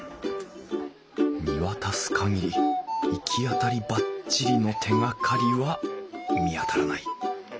見渡す限りいきあたりバッチリの手がかりは見当たらない。